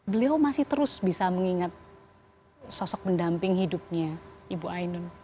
beliau masih terus bisa mengingat sosok pendamping hidupnya ibu ainun